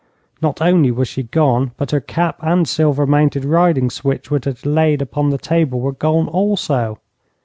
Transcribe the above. Not only was she gone, but her cap and silver mounted riding switch which had lain upon the table were gone also.